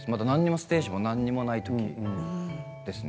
ステージで何もないときですね。